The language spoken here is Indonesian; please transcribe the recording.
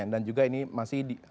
dan juga ini masih